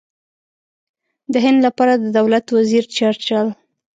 د هند لپاره د دولت وزیر چرچل.